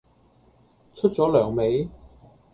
出左糧未?